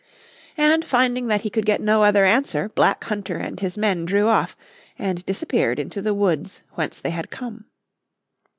And finding that he could get no other answer Black Hunter and his men drew off, and disappeared into the woods whence they had come.